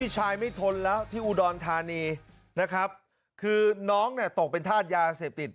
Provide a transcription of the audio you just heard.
ชายไม่ทนแล้วที่อุดรธานีนะครับคือน้องเนี่ยตกเป็นธาตุยาเสพติด